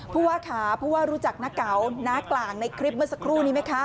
ผู้ว่าค่ะผู้ว่ารู้จักน้าเก๋าน้ากลางในคลิปเมื่อสักครู่นี้ไหมคะ